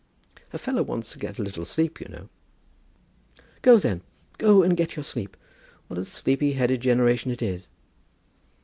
"A fellow wants to get a little sleep, you know." "Go then; go and get your sleep. What a sleepy headed generation it is."